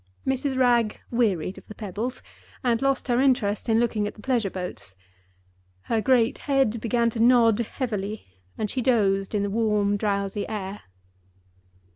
Mrs. Wragge wearied of the pebbles, and lost her interest in looking at the pleasure boats. Her great head began to nod heavily, and she dozed in the warm, drowsy air.